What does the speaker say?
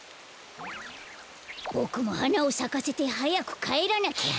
ボクもはなをさかせてはやくかえらなきゃ。